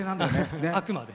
あくまで。